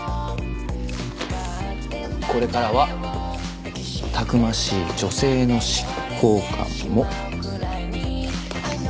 これからはたくましい女性の執行官も。